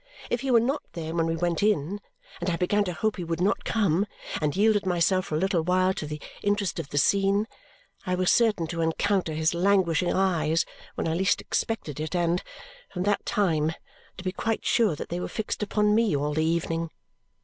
If he were not there when we went in, and I began to hope he would not come and yielded myself for a little while to the interest of the scene, I was certain to encounter his languishing eyes when I least expected it and, from that time, to be quite sure that they were fixed upon me all the evening.